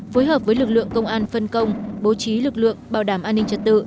phối hợp với lực lượng công an phân công bố trí lực lượng bảo đảm an ninh trật tự